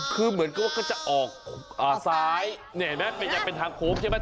คือเหมือนก็จะออกซ้ายนี่เห็นไหมจะเป็นทางโค้กใช่ไหม